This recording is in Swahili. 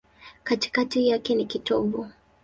Katikati yake ni kitovu.